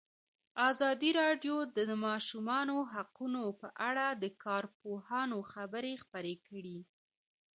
ازادي راډیو د د ماشومانو حقونه په اړه د کارپوهانو خبرې خپرې کړي.